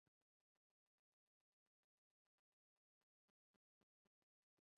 kwiheba ni igihano gikomeye nta muriro